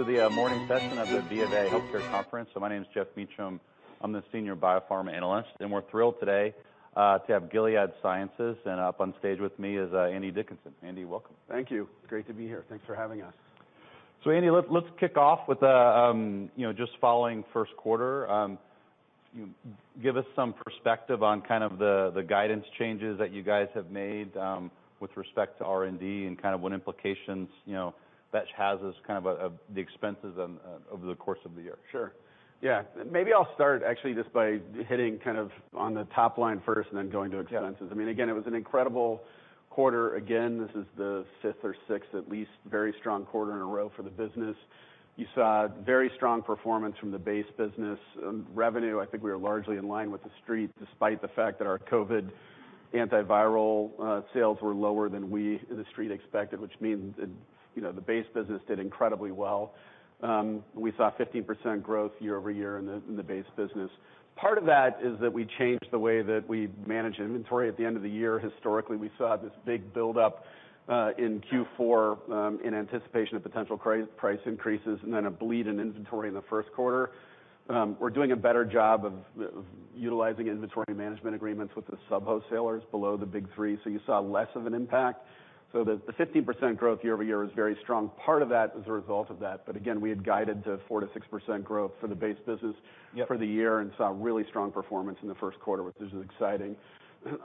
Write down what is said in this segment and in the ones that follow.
To the morning session of the BofA Healthcare Conference. My name is Geoff Meacham. I'm the Senior BioPharma Analyst. We're thrilled today to have Gilead Sciences. Up on stage with me is Andy Dickinson. Andy, welcome. Thank you. Great to be here. Thanks for having us. Andy, let's kick off with, you know, just following the Q1. Give us some perspective on kind of the guidance changes that you guys have made, with respect to R&D and kind of what implications, you know, that has as kind of, the expenses over the course of the year? Sure. Maybe I'll start actually just by hitting kind of on the top line first and then going to our chances. I mean, again, it was an incredible quarter. Again, this is the fifth or sixth at least, very strong quarter in a row for the business. You saw very strong performance from the base business. Revenue, I think we are largely in line with the Street, despite the fact that our COVID antiviral sales were lower than we, the Street expected, which means, you know, the base business did incredibly well. We saw 15% growth year-over-year in the, in the base business. Part of that is that we changed the way that we manage inventory at the end of the year. Historically, we saw this big buildup, in Q4, in anticipation of potential price increases and then a bleed in inventory in the Q1. We're doing a better job of utilizing inventory management agreements with the sub-wholesalers below the big three, so you saw less of an impact. The 15% growth year-over-year is very strong. Part of that is a result of that. Again, we had guided the 4%-6% growth for the base business- Yep. For the year and saw really strong performance in the Q1, which is exciting.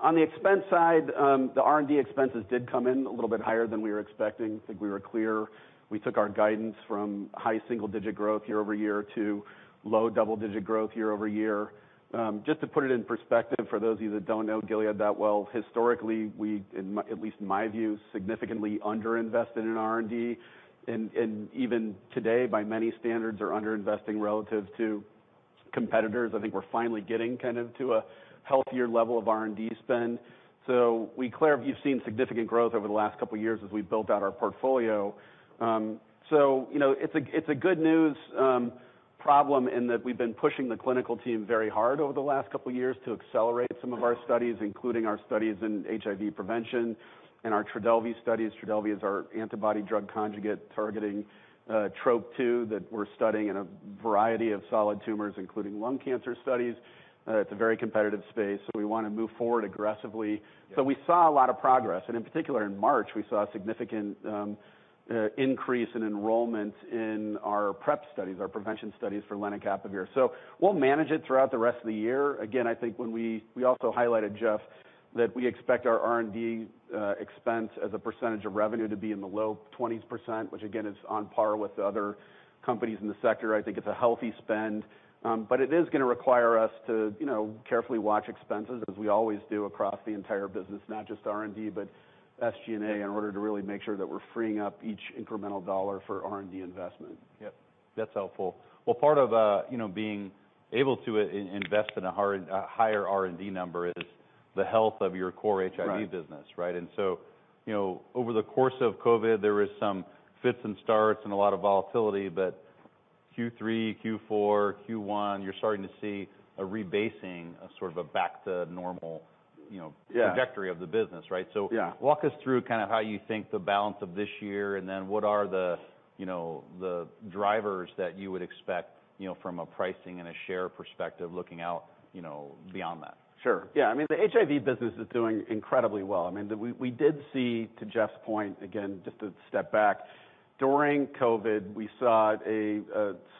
On the expense side, the R&D expenses did come in a little bit higher than we were expecting. I think we were clear. We took our guidance from high single-digit growth year-over-year to low double-digit growth year-over-year. Just to put it in perspective, for those of you who don't know Gilead that well, historically, we, at least in my view, significantly underinvested in R&D, and even today, by many standards, are underinvesting relative to competitors. I think we're finally getting kind of to a healthier level of R&D spend. You've seen significant growth over the last couple of years as we built out our portfolio. You know, it's a, it's a good news problem in that we've been pushing the clinical team very hard over the last couple of years to accelerate some of our studies, including our studies in HIV prevention and our TRODELVY studies. TRODELVY is our antibody-drug conjugate targeting Trop-2 that we're studying in a variety of solid tumors, including lung cancer studies. It's a very competitive space, we wanna move forward aggressively. Yeah. We saw a lot of progress. In particular, in March, we saw a significant increase in enrollment in our PrEP studies, our prevention studies for lenacapavir. We'll manage it throughout the rest of the year. I think we also highlighted, Geoff, that we expect our R&D expense as a percentage of revenue to be in the low 20s%, which again is on par with the other companies in the sector. I think it's a healthy spend, but it is gonna require us to, you know, carefully watch expenses as we always do across the entire business, not just R&D, but SG&A, in order to really make sure that we're freeing up each incremental $ for R&D investment. Yep. That's helpful. Well, part of, you know, being able to invest in a higher R&D number is the health of your core HIV- Right. -business, right? You know, over the course of COVID, there was some fits and starts and a lot of volatility. Q3, Q4, Q1, you're starting to see a rebasing, a back to normal, you know. Yeah. trajectory of the business, right? Yeah. Walk us through kind of how you think the balance of this year and then what are the, you know, the drivers that you would expect, you know, from a pricing and a share perspective looking out, you know, beyond that? Sure. Yeah. I mean, the HIV business is doing incredibly well. I mean, we did see, to Geoff's point, again, just to step back, during COVID, we saw a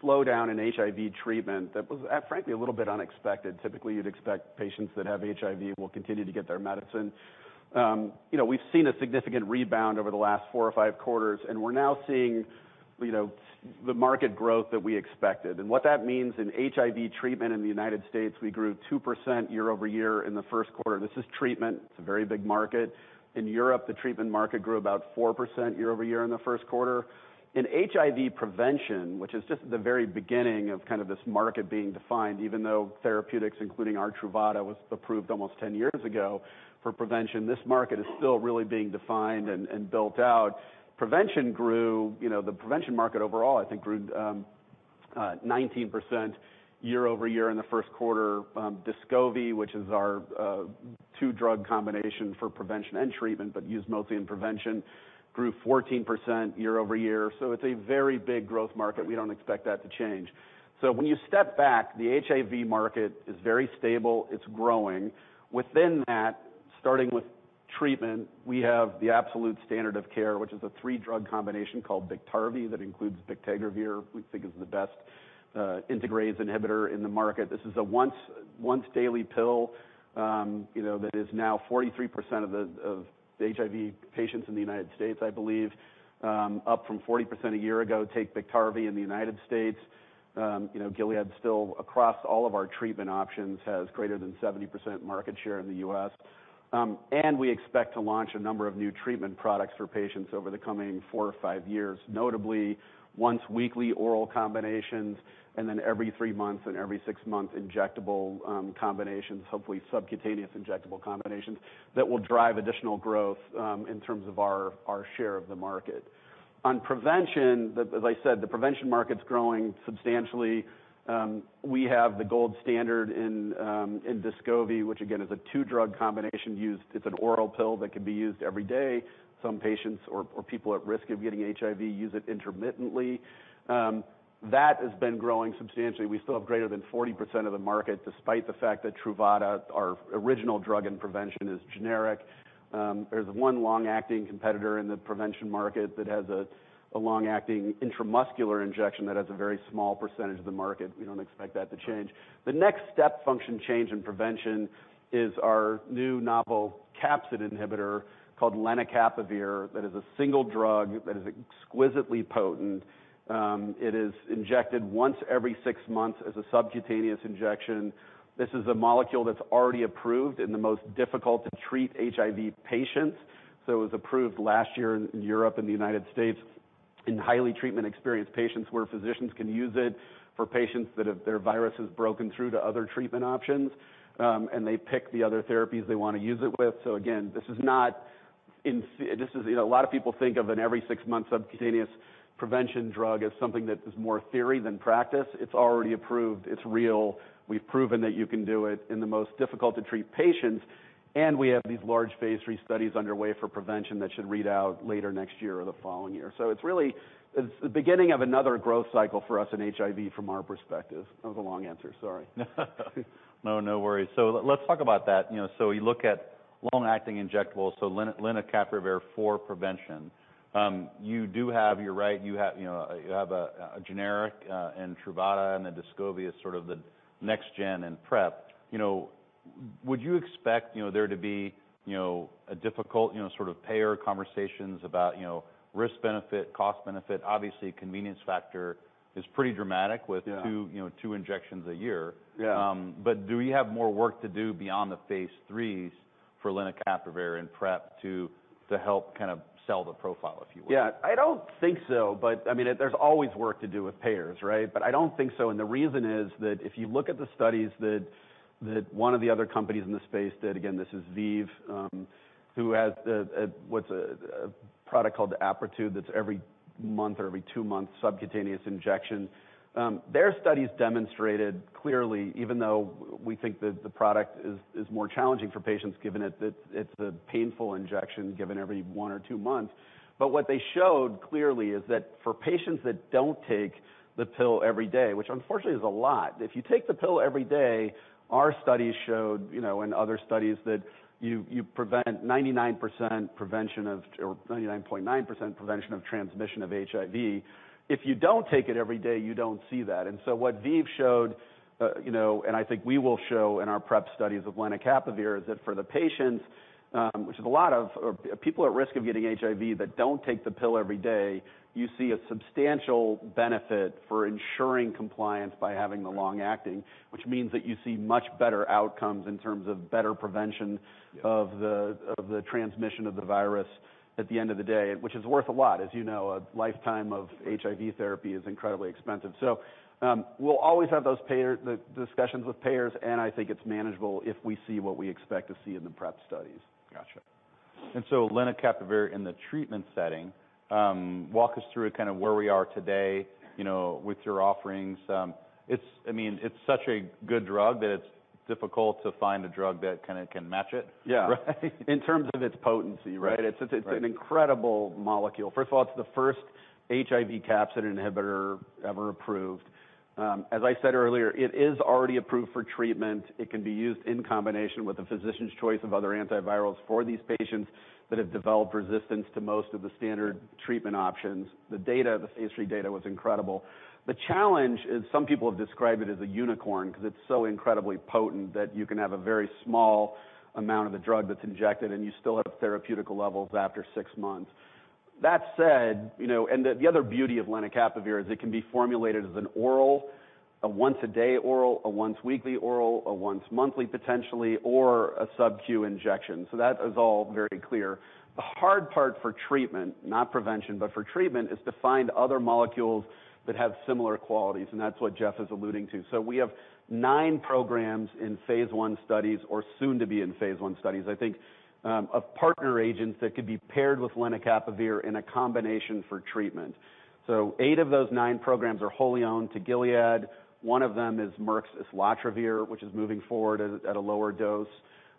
slowdown in HIV treatment that was frankly, a little bit unexpected. Typically, you'd expect patients who have HIV will continue to get their medicine. You know, we've seen a significant rebound over the last 4 or 5 quarters, and we're now seeing, you know, the market growth that we expected. What that means in HIV treatment in the United States, we grew 2% year-over-year in the Q1. This is treatment. It's a very big market. In Europe, the treatment market grew about 4% year-over-year in the Q1. In HIV prevention, which is just the very beginning of this market being defined, even though therapeutics, including our TRUVADA, was approved almost 10 years ago for prevention, this market is still really being defined and built out. Prevention grew, you know, the prevention market overall, I think, grew 19% year-over-year in the Q1. DESCOVY, which is our two-drug combination for prevention and treatment, but used mostly in prevention, grew 14% year-over-year. It's a very big growth market. We don't expect that to change. When you step back, the HIV market is very stable. It's growing. Within that, starting with treatment, we have the absolute standard of care, which is a three-drug combination called BIKTARVY that includes bictegravir, we think is the best integrase inhibitor in the market. This is a once daily pill, you know, that is now 43% of the, of HIV patients in the US., I believe, up from 40% a year ago, take BIKTARVY in the US. You know, Gilead still, across all of our treatment options, has greater than 70% market share in the US. We expect to launch a number of new treatment products for patients over the coming 4 or 5 years, notably once-weekly oral combinations, and then every 3 months and every 6 month injectable combinations, hopefully subcutaneous injectable combinations that will drive additional growth in terms of our share of the market. On prevention, as I said, the prevention market's growing substantially. We have the gold standard in DESCOVY, which again is a 2-drug combination used. It's an oral pill that can be used every day. Some patients or people at risk of getting HIV use it intermittently. That has been growing substantially. We still have greater than 40% of the market, despite the fact that TRUVADA, our original drug in prevention, is generic. There's one long-acting competitor in the prevention market that has a long-acting intramuscular injection that has a very small percentage of the market. We don't expect that to change. The next step function change in prevention is our new novel capsid inhibitor called lenacapavir, that is a single drug that is exquisitely potent. It is injected once every six months as a subcutaneous injection. This is a molecule that's already approved in the most difficult to treat HIV patients. It was approved last year in Europe and the United States, in highly treatment-experienced patients where physicians can use it for patients that have their virus has broken through to other treatment options, and they pick the other therapies they wanna use it with. Again, this is not, you know, a lot of people think of a 6-month subcutaneous prevention drug as something that is more theory than practice. It's already approved. It's real. We've proven that you can do it in the most difficult to treat patients, and we have these large phase 3 studies underway for prevention that should read out later next year or the following year. It's really is the beginning of another growth cycle for us in HIV from our perspective. That was a long answer. Sorry. No, no worries. Let's talk about that. You know, we look at long-acting injectables, lenacapavir for prevention. You do have, you're right, you have, you know, you have a generic in TRUVADA, and the DESCOVY is sort of the next gen in PrEP. You know, would you expect, you know, there to be, you know, a difficult, you know, sort of payer conversations about, you know, risk benefit, cost benefit? Obviously, convenience factor is pretty dramatic. Yeah. with 2, you know, 2 injections a year. Yeah. Do we have more work to do beyond the phase IIIs for lenacapavir and PrEP to help kind of sell the profile, if you will? Yeah. I don't think so, I mean, there's always work to do with payers, right? I don't think so. The reason is that if you look at the studies that one of the other companies in the space did, again, this is ViiV, who has a product called Apretude that's every-month or every-2-month subcutaneous injection. Their studies demonstrated clearly, even though we think that the product is more challenging for patients given it that it's a painful injection given every 1 or 2 months. What they showed clearly is that for patients that don't take the pill every day, which unfortunately is a lot. If you take the pill every day, our studies showed, you know, and other studies that you prevent 99% or 99.9% prevention of transmission of HIV. If you don't take it every day, you don't see that. So what ViiV showed, you know, and I think we will show in our PrEP studies with lenacapavir is that for the patients, which is a lot of people at risk of getting HIV that don't take the pill every day, you see a substantial benefit for ensuring compliance by having the long-acting, which means that you see much better outcomes in terms of better prevention of the transmission of the virus at the end of the day, which is worth a lot. As you know, a lifetime of HIV therapy is incredibly expensive. We'll always have the discussions with payers, and I think it's manageable if we see what we expect to see in the PrEP studies. Gotcha. lenacapavir in the treatment setting, walk us through kind of where we are today, you know, with your offerings. I mean, it's such a good drug that it's difficult to find a drug that kinda can match it. Yeah. Right? In terms of its potency, right? Yes. Right. It's an incredible molecule. First of all, it's the first HIV capsid inhibitor ever approved. As I said earlier, it is already approved for treatment. It can be used in combination with the physician's choice of other antivirals for these patients that have developed resistance to most of the standard treatment options. The data, the phase III data was incredible. The challenge is some people have described it as a unicorn because it's so incredibly potent, that you can have a very small amount of the drug that's injected, and you still have therapeutical levels after six months. That said, you know, and the other beauty of lenacapavir is it can be formulated as an oral, a once a day oral, a once weekly oral, a once monthly potentially, or a sub-Q injection. That is all very clear. The hard part for treatment, not prevention, but for treatment, is to find other molecules that have similar qualities, and that's what Jeff is alluding to. We have nine programs in phase I studies or soon to be in phase I studies. I think of partner agents that could be paired with lenacapavir in a combination for treatment. Eight of those nine programs are wholly owned to Gilead. One of them is Merck's islatravir, which is moving forward at a lower dose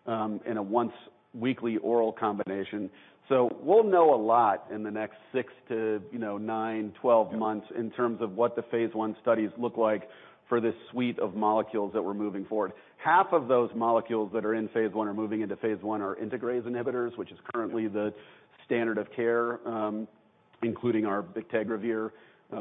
in a once weekly oral combination. We'll know a lot in the next 6 to, you know, 9-12 months. Yeah. In terms of what the phase I studies look like for this suite of molecules that we're moving forward. Half of those molecules that are in phase I or moving into phase I are integrase inhibitors, which is currently the standard of care, including our bictegravir,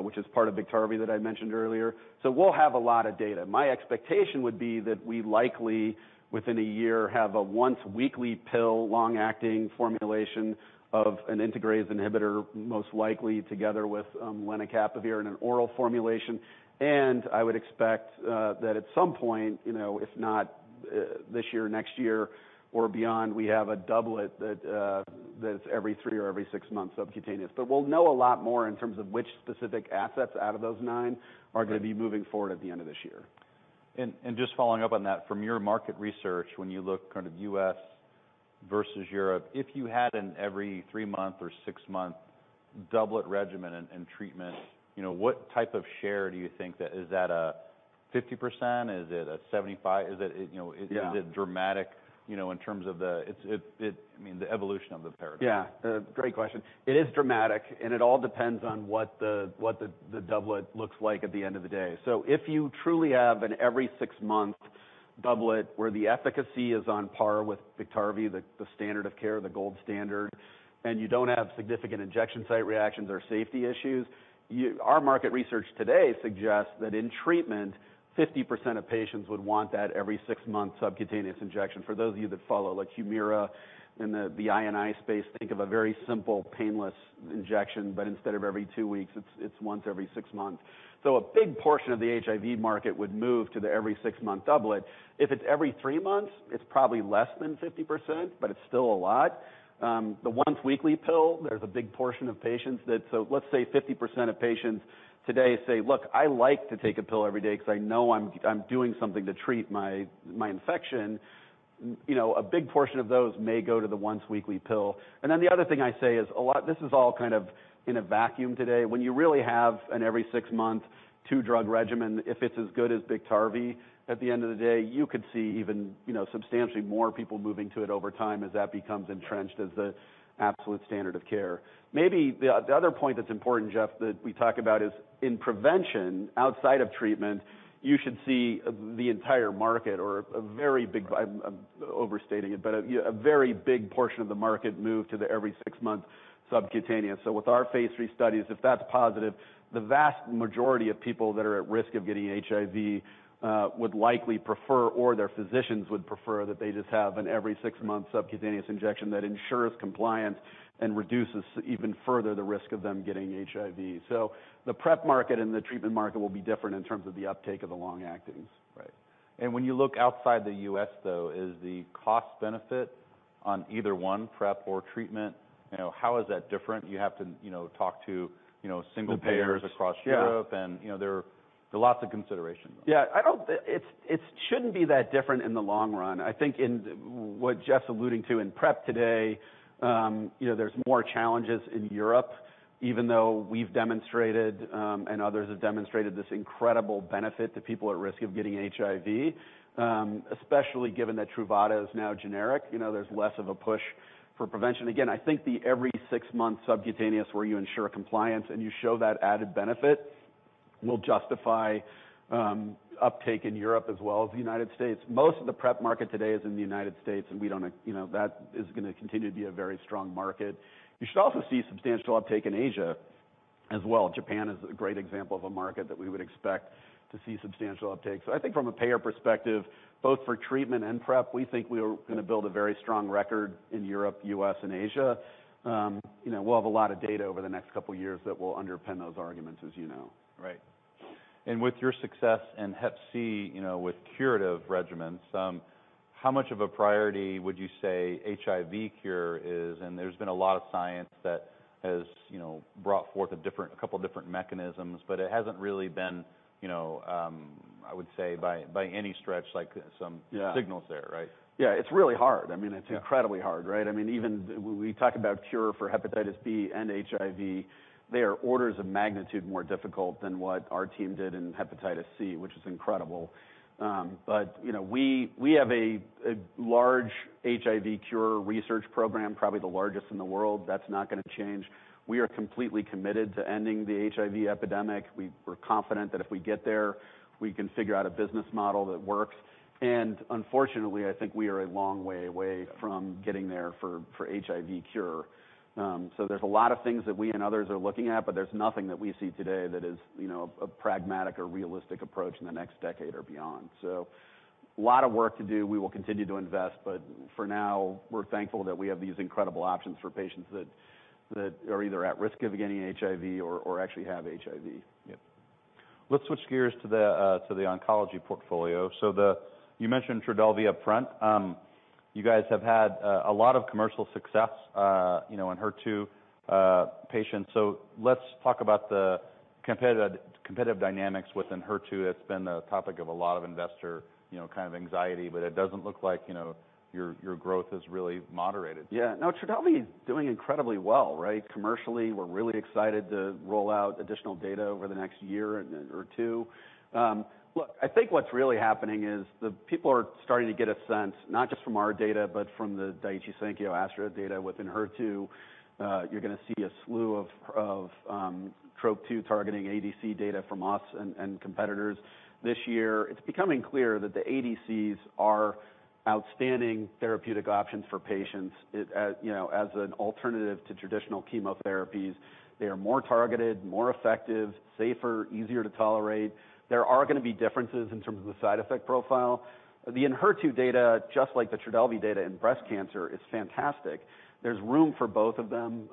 which is part of BIKTARVY that I mentioned earlier. We'll have a lot of data. My expectation would be that we likely, within a year, have a once weekly pill, long-acting formulation of an integrase inhibitor, most likely together with lenacapavir in an oral formulation. I would expect that at some point, you know, if not this year or next year or beyond, we have a doublet that's every three or every six months subcutaneous. We'll know a lot more in terms of which specific assets out of those nine are gonna be moving forward at the end of this year. Just following up on that, from your market research, when you look kind of US. versus Europe. If you had an every 3 month or 6-month doublet regimen and treatment, you know, what type of share do you think that? Is that a 50%? Is it a 75%? Is it, you know...? Yeah. Is it dramatic, you know, in terms of I mean, the evolution of the paradigm? Great question. It is dramatic, and it all depends on what the doublet looks like at the end of the day. If you truly have an every 6-month doublet where the efficacy is on par with BIKTARVY, the standard of care, the gold standard, and you don't have significant injection site reactions or safety issues, Our market research today suggests that in treatment, 50% of patients would want that every 6-month subcutaneous injection. For those of you that follow, like Humira in the I&I space, think of a very simple, painless injection, but instead of every 2 weeks, it's once every 6 months. A big portion of the HIV market would move to the every 6 month doublet. If it's every 3 months, it's probably less than 50%, but it's still a lot. The once weekly pill, there's a big portion of patients that... So let's say 50% of patients today say, "Look, I like to take a pill every day 'cause I know I'm doing something to treat my infection." You know, a big portion of those may go to the once weekly pill. The other thing I say is this is all kind of in a vacuum today. When you really have an every 6 month, 2-drug regimen, if it's as good as BIKTARVY, at the end of the day, you could see even, you know, substantially more people moving to it over time as that becomes entrenched as the absolute standard of care. Maybe the other point that's important, Geoff, that we talk about is in prevention, outside of treatment, you should see the entire market or a very big... Right. I'm overstating it, but you know, a very big portion of the market move to the every 6 month subcutaneous. With our phase 3 studies, if that's positive, the vast majority of people that are at risk of getting HIV would likely prefer or their physicians would prefer that they just have an every 6 month subcutaneous injection that ensures compliance and reduces even further the risk of them getting HIV. The PrEP market and the treatment market will be different in terms of the uptake of the long-actings. Right. When you look outside the US., though, is the cost-benefit on either one, PrEP or treatment, you know, how is that different? You have to, you know, talk to, you know. The payers. ...single payers across- Yeah ...Europe and, you know, there are lots of considerations. It shouldn't be that different in the long run. I think in what Jeff's alluding to in PrEP today, you know, there's more challenges in Europe, even though we've demonstrated, and others have demonstrated this incredible benefit to people at risk of getting HIV, especially given that TRUVADA is now generic. You know, there's less of a push for prevention. Again, I think the every 6 month subcutaneous where you ensure compliance and you show that added benefit will justify uptake in Europe as well as the United States. Most of the PrEP market today is in the United States, and that is gonna continue to be a very strong market. You should also see substantial uptake in Asia as well. Japan is a great example of a market that we would expect to see substantial uptake. I think from a payer perspective, both for treatment and PrEP, we think we are gonna build a very strong record in Europe, US., and Asia. you know, we'll have a lot of data over the next couple years that will underpin those arguments, as you know. Right. And with your success in hep C, you know, with curative regimens, how much of a priority would you say HIV cure is? There's been a lot of science that has, you know, brought forth a couple different mechanisms, but it hasn't really been, you know, I would say, by any stretch. Yeah ...signals there, right? Yeah. It's really hard. I mean. Yeah ...incredibly hard, right? I mean, even when we talk about cure for hepatitis B and HIV, they are orders of magnitude more difficult than what our team did in hepatitis C, which is incredible. You know, we have a large HIV cure research program, probably the largest in the world. That's not gonna change. We are completely committed to ending the HIV epidemic. We're confident that if we get there, we can figure out a business model that works. Unfortunately, I think we are a long way away from getting there for HIV cure. There's a lot of things that we and others are looking at, but there's nothing that we see today that is, you know, a pragmatic or realistic approach in the next decade or beyond. A lot of work to do. We will continue to invest, but for now, we're thankful that we have these incredible options for patients that are either at risk of getting HIV or actually have HIV. Yeah. Let's switch gears to the oncology portfolio. You mentioned TRODELVY upfront. You guys have had a lot of commercial success, you know, in HER2 patients. Let's talk about the competitive dynamics within HER2. That's been a topic of a lot of investor, you know, kind of anxiety, but it doesn't look like, you know, your growth has really moderated. Yeah. No, TRODELVY is doing incredibly well, right? Commercially, we're really excited to roll out additional data over the next year or 2. Look, I think what's really happening is the people are starting to get a sense, not just from our data, but from the Daiichi Sankyo DESTINY data within HER2. You're gonna see a slew of Trop-2 targeting ADC data from us and competitors this year. It's becoming clear that the ADCs are outstanding therapeutic options for patients. As, you know, as an alternative to traditional chemotherapies. They are more targeted, more effective, safer, easier to tolerate. There are gonna be differences in terms of the side effect profile. The Enhertu data, just like the TRODELVY data in breast cancer, is fantastic. There's room for both of them.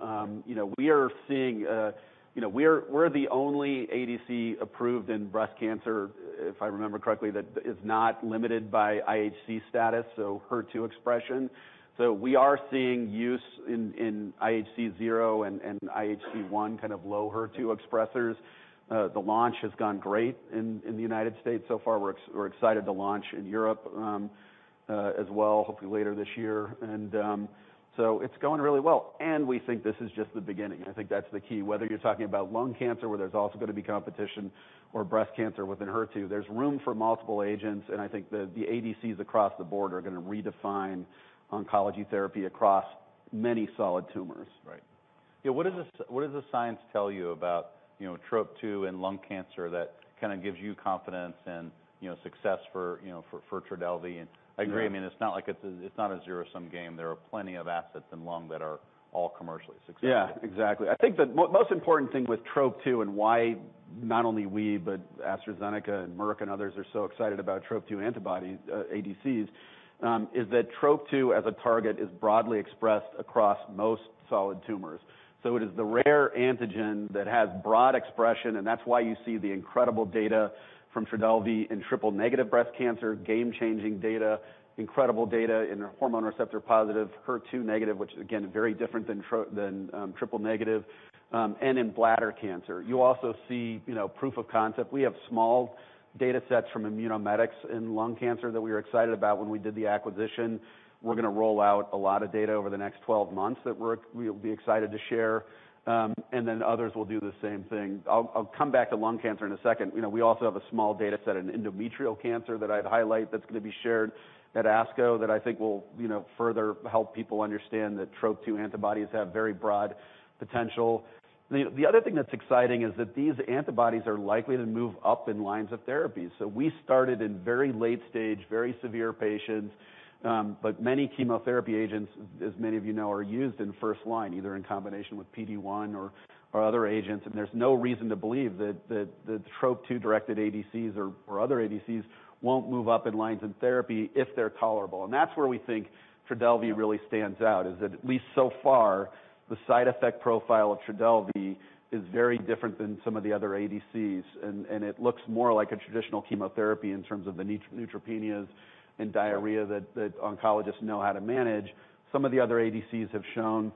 You know, we are seeing... You know, we're the only ADC approved in breast cancer, if I remember correctly, that is not limited by IHC status, so HER2 expression. We are seeing use in IHC zero and IHC one, kind of low HER2 expressers. The launch has gone great in the United States so far. We're excited to launch in Europe as well, hopefully later this year. It's going really well, and we think this is just the beginning. I think that's the key. Whether you're talking about lung cancer, where there's also gonna be competition, or breast cancer with Enhertu, there's room for multiple agents, I think the ADCs across the board are gonna redefine oncology therapy across many solid tumors. Right. Yeah. What does the science tell you about, you know, Trop-2 and lung cancer that kind of gives you confidence and, you know, success for, you know, TRODELVY? I agree, I mean, it's not like it's not a zero-sum game. There are plenty of assets in lung that are all commercially successful. Yeah. Exactly. I think the most important thing with Trop-2 and why not only we, but AstraZeneca and Merck and others are so excited about Trop-2 antibody ADCs, is that Trop-2 as a target is broadly expressed across most solid tumors. It is the rare antigen that has broad expression, and that's why you see the incredible data from TRODELVY in triple-negative breast cancer, game-changing data, incredible data in hormone receptor positive, HER2 negative, which again, very different than triple negative, and in bladder cancer. You also see, you know, proof of concept. We have small datasets from Immunomedics in lung cancer that we are excited about when we did the acquisition. We're gonna roll out a lot of data over the next 12 months that we'll be excited to share, and then others will do the same thing. I'll come back to lung cancer in a second. You know, we also have a small dataset in endometrial cancer that I'd highlight that's gonna be shared at ASCO that I think will, you know, further help people understand that Trop-2 antibodies have very broad potential. The other thing that's exciting is that these antibodies are likely to move up in lines of therapy. We started in very late stage, very severe patients, but many chemotherapy agents, as many of you know, are used in first line, either in combination with PD-1 or other agents. There's no reason to believe that the Trop-2-directed ADCs or other ADCs won't move up in lines in therapy if they're tolerable. That's where we think TRODELVY really stands out, is that at least so far, the side effect profile of TRODELVY is very different than some of the other ADCs, and it looks more like a traditional chemotherapy in terms of the neutropenias and diarrhea that oncologists know how to manage. Some of the other ADCs have shown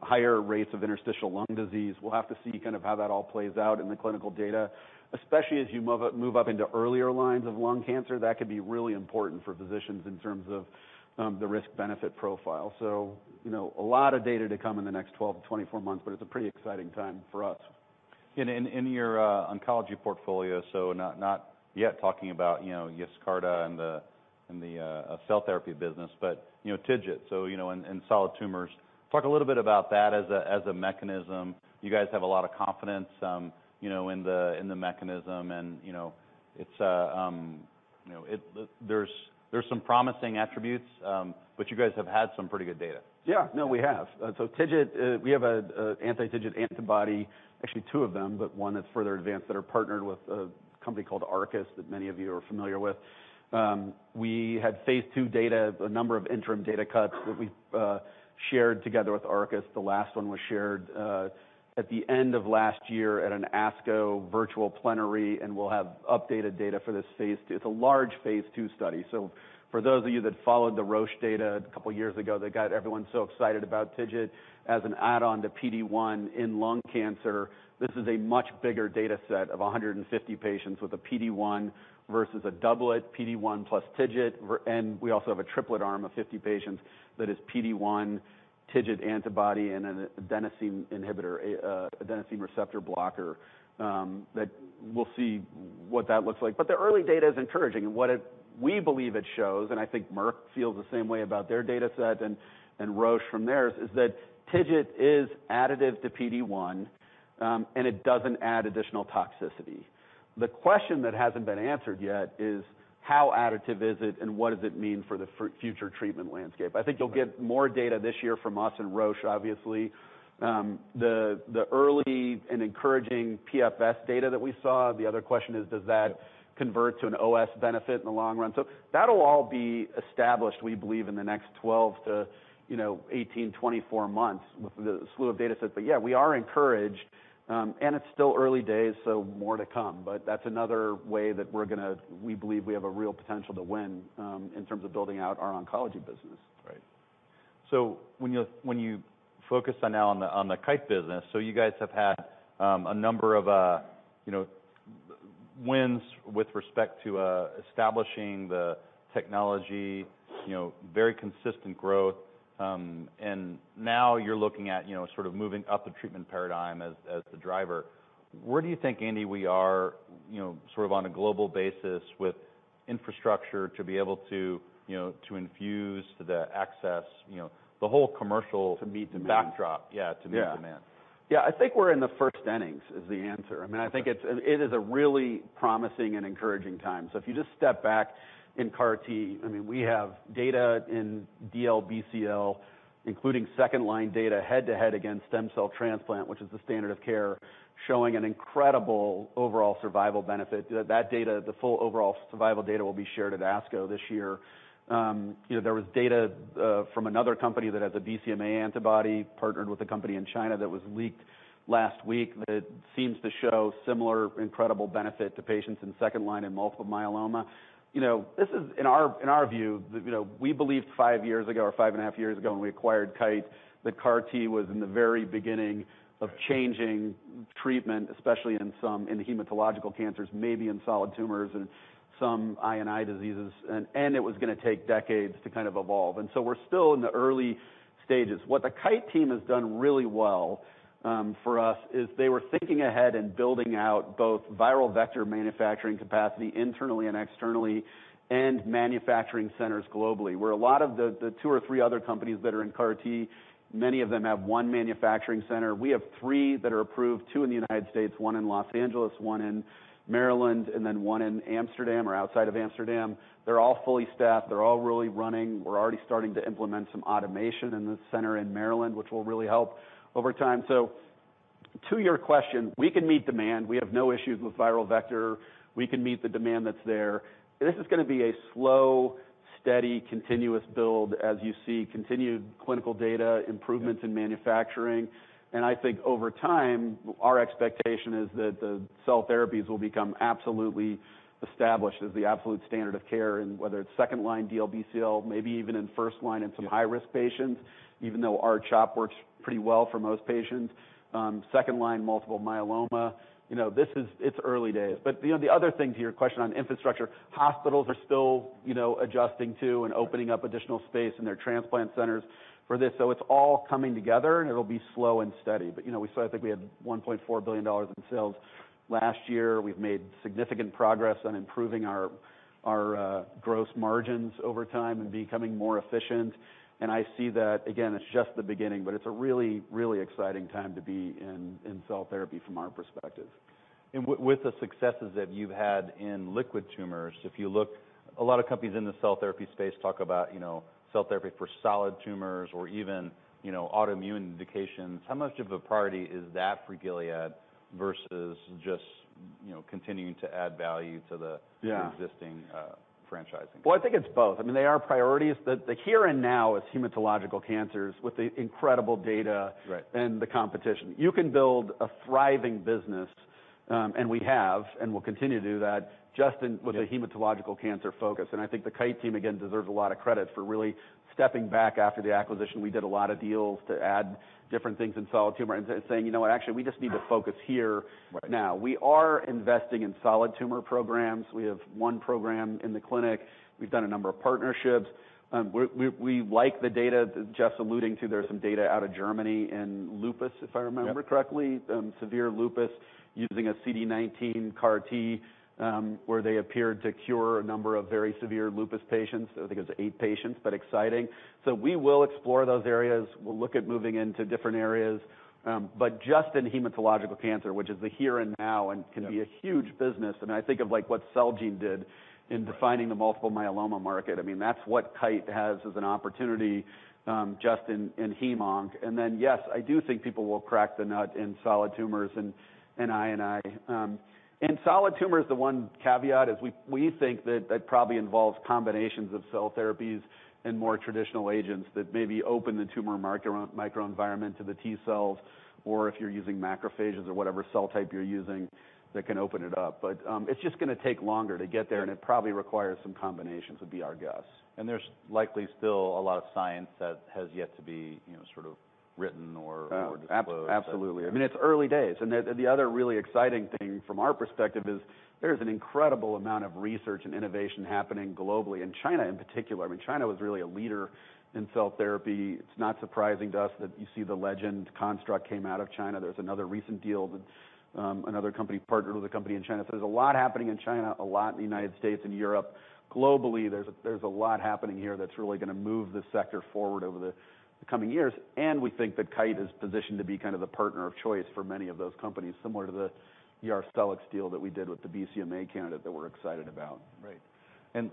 higher rates of interstitial lung disease. We'll have to see kind of how that all plays out in the clinical data, especially as you move up into earlier lines of lung cancer. That could be really important for physicians in terms of the risk-benefit profile. You know, a lot of data to come in the next 12-24 months, but it's a pretty exciting time for us. In your oncology portfolio, so not yet talking about, you know, Yescarta and the cell therapy business, but you know, TIGIT. You know, in solid tumors, talk a little bit about that as a mechanism. You guys have a lot of confidence, you know, in the mechanism and, you know, it's, you know, there's some promising attributes, but you guys have had some pretty good data. We have. So TIGIT, we have an anti-TIGIT antibody, actually 2 of them, but one that's further advanced, that are partnered with a company called Arcus that many of you are familiar with. We had phase two data, a number of interim data cuts that we've shared together with Arcus. The last one was shared at the end of last year at an ASCO virtual plenary, and we'll have updated data for this phase two. It's a large phase two study. For those of you that followed the Roche data a couple years ago that got everyone so excited about TIGIT as an add-on to PD-1 in lung cancer, this is a much bigger dataset of 150 patients with a PD-1 versus a doublet PD-1 plus TIGIT. We also have a triplet arm of 50 patients that is PD-1 TIGIT antibody and an adenosine inhibitor, an adenosine receptor antagonist, that we'll see what that looks like. The early data is encouraging, and what we believe it shows, and I think Merck feels the same way about their dataset and Roche from theirs, is that TIGIT is additive to PD-1, and it doesn't add additional toxicity. The question that hasn't been answered yet is, how additive is it, and what does it mean for the future treatment landscape? I think you'll get more data this year from us and Roche, obviously. The early and encouraging PFS data that we saw, the other question is, does that convert to an OS benefit in the long run? That'll all be established, we believe, in the next 12 to, you know, 18, 24 months with the slew of datasets. Yeah, we are encouraged, and it's still early days, so more to come. That's another way that we believe we have a real potential to win, in terms of building out our oncology business. Right. When you, when you focus on now on the, on the Kite business, so you guys have had a number of, you know, wins with respect to establishing the technology, you know, very consistent growth. Now you're looking at, you know, sort of moving up the treatment paradigm as the driver. Where do you think, Andy, we are, you know, sort of on a global basis with infrastructure to be able to, you know, to infuse the access, you know, the whole commercial-? To meet demand.... backdrop? Yeah. Yeah. To meet demand. Yeah. I think we're in the first innings, is the answer. I mean, I think it is a really promising and encouraging time. If you just step back in CAR T, I mean, we have data in DLBCL, including second-line data head-to-head against stem cell transplant, which is the standard of care, showing an incredible overall survival benefit. That data, the full overall survival data, will be shared at ASCO this year. You know, there was data from another company that has a BCMA antibody partnered with a company in China that was leaked last week that seems to show similar incredible benefit to patients in second-line in multiple myeloma. You know, this is, in our, in our view, the, you know, we believed five years ago, or five and a half years ago when we acquired Kite, that CAR T was in the very beginning of changing treatment, especially in the hematological cancers, maybe in solid tumors and some I&I diseases, and it was gonna take decades to kind of evolve. So we're still in the early stages. What the Kite team has done really well for us is they were thinking ahead and building out both viral vector manufacturing capacity internally and externally and manufacturing centers globally, where a lot of the 2 or 3 other companies that are in CAR T, many of them have one manufacturing center. We have three that are approved, two in the United States, one in Los Angeles, one in Maryland, and then one in Amsterdam or outside of Amsterdam. They're all fully staffed. They're all really running. We're already starting to implement some automation in the center in Maryland, which will really help over time. To your question, we can meet demand. We have no issues with viral vector. We can meet the demand that's there. This is gonna be a slow, steady, continuous build as you see continued clinical data, improvements in manufacturing. I think over time, our expectation is that the cell therapies will become absolutely established as the absolute standard of care, and whether it's second-line DLBCL, maybe even in first line in some high-risk patients, even though our CHOP works pretty well for most patients, second-line multiple myeloma. You know, it's early days. You know, the other thing to your question on infrastructure, hospitals are still, you know, adjusting to and opening up additional space in their transplant centers for this. It's all coming together, and it'll be slow and steady. You know, we still I think we had $1.4 billion in sales last year. We've made significant progress on improving our gross margins over time and becoming more efficient. I see that again, it's just the beginning, but it's a really, really exciting time to be in cell therapy from our perspective. With the successes that you've had in liquid tumors, if you look, a lot of companies in the cell therapy space talk about, you know, cell therapy for solid tumors or even, you know, autoimmune indications. How much of a priority is that for Gilead versus just, you know, continuing to add value to the... Yeah. existing, franchising? Well, I think it's both. I mean, they are priorities. The here and now is hematological cancers with the incredible data- Right. The competition. You can build a thriving business, and we have, and we'll continue to do that. Yeah. -with the hematological cancer focus. I think the Kite team, again, deserves a lot of credit for really stepping back after the acquisition. We did a lot of deals to add different things in solid tumor and saying, "You know what? Actually, we just need to focus here now. Right. We are investing in solid tumor programs. We have one program in the clinic. We've done a number of partnerships. We like the data Geoff's alluding to. There are some data out of Germany in lupus, if I remember correctly. Yep. severe lupus using a CD19 CAR T, where they appeared to cure a number of very severe lupus patients. I think it was eight patients, but exciting. We will explore those areas. We'll look at moving into different areas. Just in hematological cancer, which is the here and now and can be a huge business. what Celgene did in defining- Right. the multiple myeloma market. I mean, that's what Kite has as an opportunity, just in hemonc. Yes, I do think people will crack the nut in solid tumors and I&I. In solid tumors, the one caveat is we think that it probably involves combinations of cell therapies and more traditional agents that maybe open the tumor microenvironment to the T cells, or if you're using macrophages or whatever cell type you're using, that can open it up. It's just gonna take longer to get there, and it probably requires some combinations would be our guess. There's likely still a lot of science that has yet to be, you know, sort of written or disclosed. Oh, absolutely. I mean, it's early days, and the other really exciting thing from our perspective is there's an incredible amount of research and innovation happening globally, in China in particular. I mean, China was really a leader in cell therapy. It's not surprising to us that you see the Legend construct came out of China. There's another recent deal that another company partnered with a company in China. There's a lot happening in China, a lot in the United States and Europe. Globally, there's a lot happening here that's really gonna move this sector forward over the coming years. We think that Kite is positioned to be kind of the partner of choice for many of those companies, similar to the Arcellx deal that we did with the BCMA candidate that we're excited about. Right.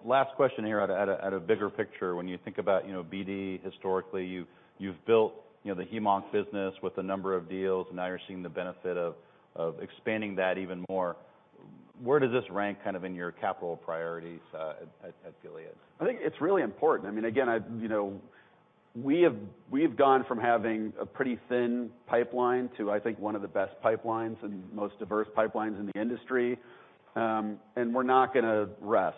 Last question here at a bigger picture, when you think about, you know, BD historically, you've built, you know, the hemonc business with a number of deals, and now you're seeing the benefit of expanding that even more. Where does this rank kind of in your capital priorities at Gilead? I think it's really important. I mean, again, I, you know, we've gone from having a pretty thin pipeline to, I think, one of the best pipelines and most diverse pipelines in the industry. We're not gonna rest.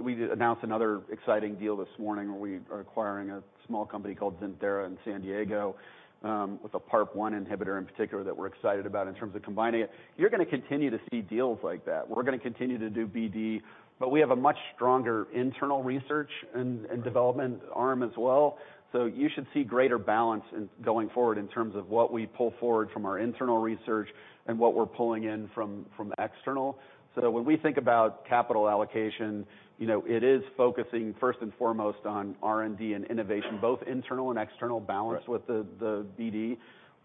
We announced another exciting deal this morning where we are acquiring a small company called XinThera in San Diego, with a PARP1 inhibitor in particular that we're excited about in terms of combining it. You're gonna continue to see deals like that. We're gonna continue to do BD, but we have a much stronger internal research and development arm as well. You should see greater balance going forward in terms of what we pull forward from our internal research and what we're pulling in from external. When we think about capital allocation, you know, it is focusing first and foremost on R&D and innovation, both internal and external. Right. With the BD.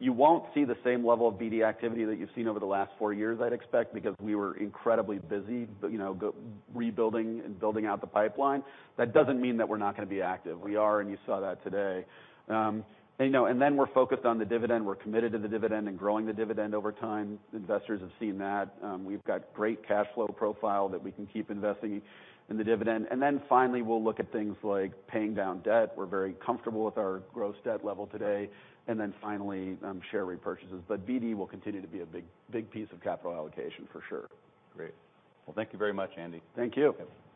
You won't see the same level of BD activity that you've seen over the last four years, I'd expect, because we were incredibly busy, but, you know, rebuilding and building out the pipeline. That doesn't mean that we're not gonna be active. We are, and you saw that today. You know, we're focused on the dividend. We're committed to the dividend and growing the dividend over time. Investors have seen that. We've got great cash flow profile that we can keep investing in the dividend. Finally, we'll look at things like paying down debt. We're very comfortable with our gross debt level today. Finally, share repurchases. BD will continue to be a big, big piece of capital allocation for sure. Great. Well, thank you very much, Andy. Thank you. Okay.